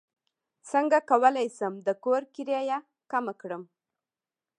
څنګه کولی شم د کور کرایه کمه کړم